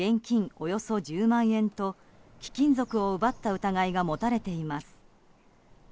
およそ１０万円と貴金属を奪った疑いが持たれています。